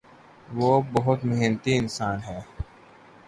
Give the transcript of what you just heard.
وہ بہت محنتی انسان ہے۔